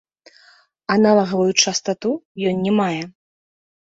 Аналагавую частату ён не мае.